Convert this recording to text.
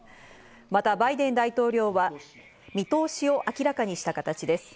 またバイデン大統領は見通しを明らかにした形です。